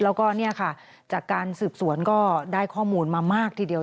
แล้วก็เนี่ยค่ะจากการสืบสวนก็ได้ข้อมูลมามากทีเดียว